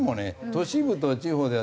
都市部と地方では。